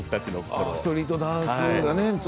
ストリートダンスですね。